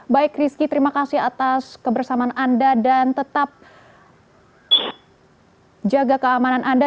baik rizky terima kasih atas kebersamaan anda dan tetap jaga keamanan anda